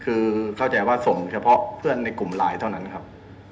คือเข้าใจว่าส่งเฉพาะเพื่อนในกลุ่มไลน์เท่านั้นครับ